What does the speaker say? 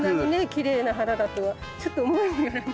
きれいな花だとはちょっと思いもよらない。